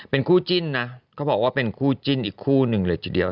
เป็นคู่จิ้นนะเขาบอกว่าเป็นคู่จิ้นอีกคู่หนึ่งเลยทีเดียว